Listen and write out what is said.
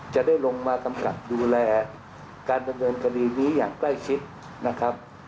จะได้ลงมากำกับดูแลการดำเนินคดีนี้อย่างใกล้ชิดนะครับ